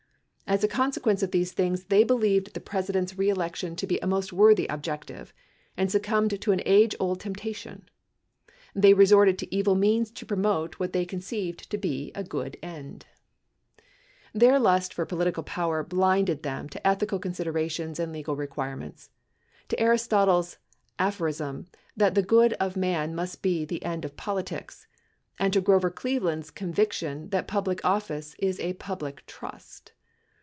As a consequence of these things, they believed the President's re election to be a most worthy objective, and succumbed to an age old temptation. They resorted to evil means to promote what they con ceived to be a good end. 1102 Their lust for political power blinded them to ethical considera tions and legal requirements ; to Aristotle's aphorism that the good of man must be the end of politics; and to Grover Cleveland's conviction that a public office is a public trust.